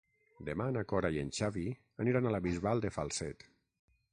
Demà na Cora i en Xavi aniran a la Bisbal de Falset.